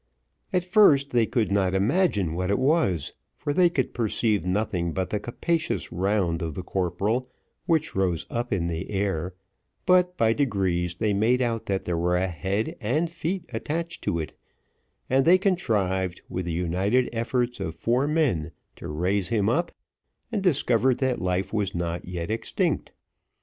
At first they could not imagine what it was, for they could perceive nothing but the capacious round of the corporal, which rose up in the air, but, by degrees, they made out that there was a head and feet attached to it, and they contrived, with the united efforts of four men, to raise him up, and discovered that life was not yet extinct.